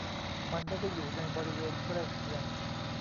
มันไม่ได้อยู่ในบริเวณใกล้เคียง